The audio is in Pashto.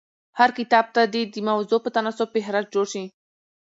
هر کتاب ته دي د موضوع په تناسب فهرست جوړ سي.